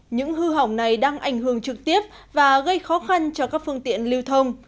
những hư hỏng này đang ảnh hưởng trực tiếp và gây khó khăn cho các phương tiện lưu thông